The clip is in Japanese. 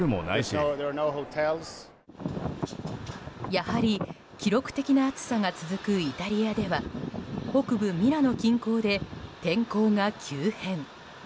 やはり記録的な暑さが続くイタリアでは北部ミラノ近郊で天候が急変。